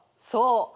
そう。